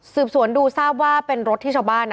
สืบสวนดูทราบว่าเป็นรถที่ชาวบ้าน